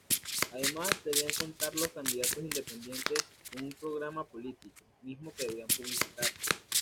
Además debían contar los candidatos independientes con un programa político, mismo que debían publicitar.